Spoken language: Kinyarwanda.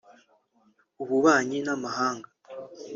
ububanyi n’amahanga